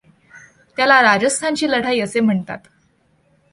त्याला राजस्थानची लढाई असे म्हणतात.